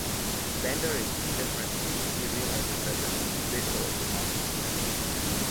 Bender is indifferent until he realizes that the things they stole belonged to him.